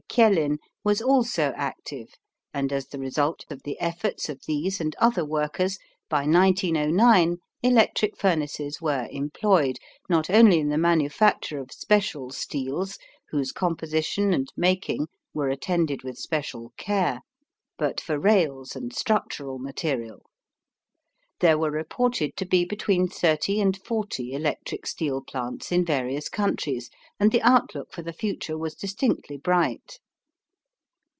Kjellin, was also active and as the result of the efforts of these and other workers, by 1909 electric furnaces were employed, not only in the manufacture of special steels whose composition and making were attended with special care, but for rails and structural material. There were reported to be between thirty and forty electric steel plants in various countries, and the outlook for the future was distinctly bright.